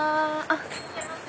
いらっしゃいませ。